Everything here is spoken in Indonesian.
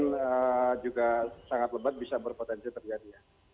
hujan juga sangat lebat bisa berpotensi terjadi ya